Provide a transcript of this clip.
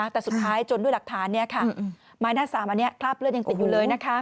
แต่สุดท้ายจนด้วยหลักฐานไม้หน้าสามอันนี้คราบเลือดยังติดอยู่เลย